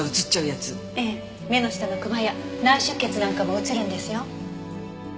ええ目の下のくまや内出血なんかも写るんですよ。